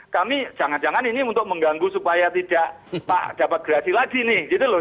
kami jangan jangan ini untuk mengganggu supaya tidak pak dapat gerasi lagi nih